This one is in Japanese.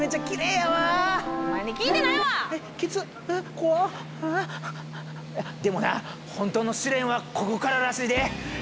でもな本当の試練はここかららしいで。